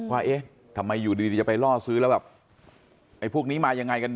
ว่าเอ๊ะทำไมอยู่ดีจะไปล่อซื้อแล้วแบบไอ้พวกนี้มายังไงกันแ